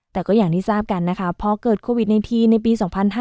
แต่ก็อย่างที่ทราบกันนะคะพอเกิดโควิด๑๙ในปี๒๕๕๙